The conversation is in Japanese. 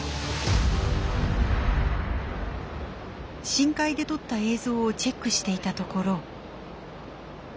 深海で撮った映像をチェックしていたところ。